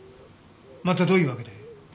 またどういうわけで？